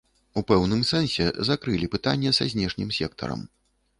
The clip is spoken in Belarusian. У пэўным сэнсе закрылі пытанне са знешнім сектарам.